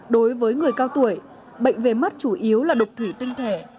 đối với người cao tuổi bệnh về mắt chủ yếu là đục thủy tinh thể